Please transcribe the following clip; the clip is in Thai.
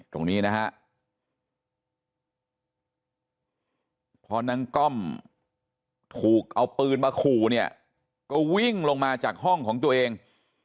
ตรงนี้นะฮะพอนางก้อมถูกเอาปืนมาขู่เนี่ยก็วิ่งลงมาจากห้องของตัวเอง